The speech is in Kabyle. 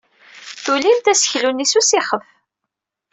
Tulimt aseklu-nni s usixef.